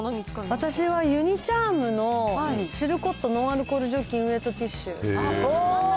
私はユニ・チャームのシルコットノンアルコール除菌ウェットティッシュ。